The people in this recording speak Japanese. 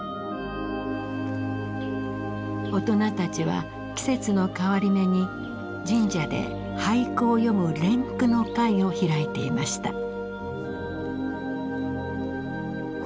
大人たちは季節の変わり目に神社で俳句を詠む連句の会を開いていました。